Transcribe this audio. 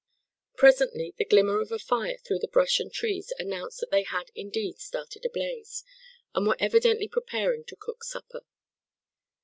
Presently the glimmer of a fire through the brush and trees announced that they had indeed started a blaze, and were evidently preparing to cook supper.